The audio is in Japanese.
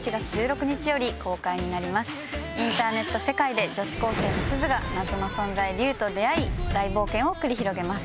インターネット世界で女子高生の鈴が謎の存在竜と出会い大冒険を繰り広げます。